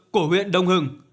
của huyện đông hưng